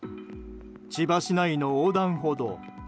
千葉市内の横断歩道。